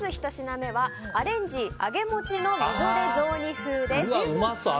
アレンジ揚げもちのみぞれ雑煮風です。